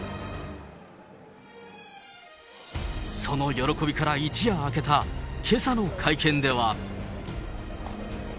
その喜びから一夜明けた、けさの会見では。